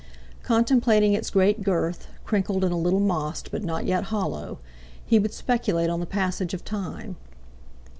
Contemplating its great girth—crinkled and a little mossed, but not yet hollow—he would speculate on the passage of time.